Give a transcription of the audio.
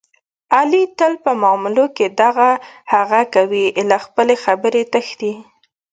علي تل په معاملو کې دغه هغه کوي، له خپلې خبرې تښتي.